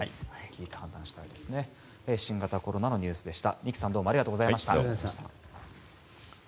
新型コロナのニュースでした。